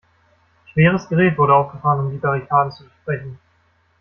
Schweres Gerät wurde aufgefahren, um die Barrikaden zu durchbrechen.